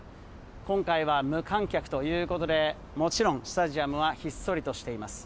今回は無観客ということで、もちろんスタジアムはひっそりとしています。